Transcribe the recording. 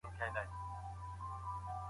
که واټني تدریس سم تنظیم سي، وخت نه ضایع کېږي.